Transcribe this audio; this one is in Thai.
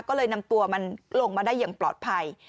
ก็เลยนำตัวมันลงมาได้อย่างปลอดภัย